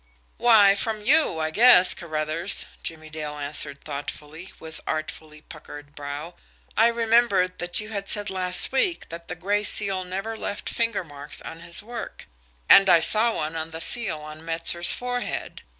"Why, from you, I guess, Carruthers," Jimmie Dale answered thoughtfully, with artfully puckered brow. "I remembered that you had said last week that the Gray Seal never left finger marks on his work and I saw one on the seal on Metzer's forehead.